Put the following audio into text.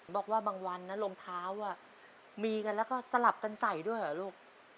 บอกว่าบางวันนะรองเท้ามีกันแล้วก็สลับกันใส่ด้วยเหรอลูก